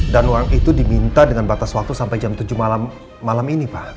dan uang itu diminta dengan batas waktu sampai jam tujuh malam malam ini pak